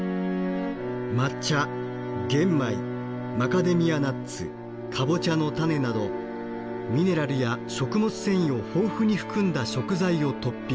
抹茶玄米マカデミアナッツカボチャの種などミネラルや食物繊維を豊富に含んだ食材をトッピング。